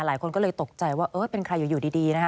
หลายคนก็เลยตกใจว่าเออเป็นใครอยู่ดีนะฮะ